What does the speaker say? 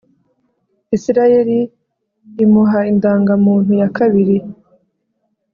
Isirayeli imuha indangamuntu yakabiri